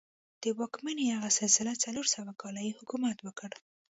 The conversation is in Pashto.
د واکمنۍ هغه سلسله څلور سوه کاله یې حکومت وکړ.